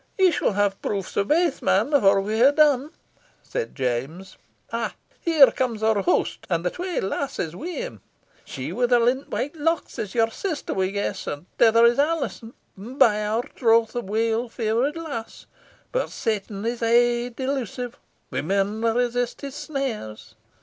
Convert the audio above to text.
"Ye shall hae proofs of baith, man, afore we hae done," said James. "Ah! here comes our host, an the twa lassies wi' him. She wi' the lintwhite locks is your sister, we guess, and the ither is Alizon and, by our troth, a weel faur'd lass. But Satan is aye delusive. We maun resist his snares."